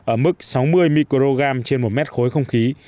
ở mức sáu mươi microgram trên một mét khối không khí